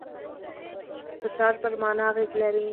فشار پر مانا اغېز لري.